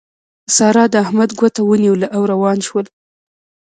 سارا د احمد ګوته ونيوله او روان شول.